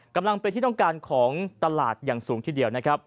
กำลังเป็นที่ต้องการของตลาดอย่างสูงทีเดียวนะครับ